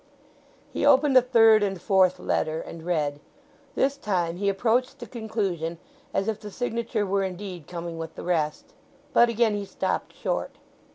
He opened a third and fourth letter, and read. This time he approached the conclusion as if the signature were indeed coming with the rest. But again he stopped short.